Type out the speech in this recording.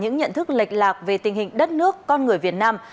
những nhận thức lệch lạc về tình hình đất nước con người việt nam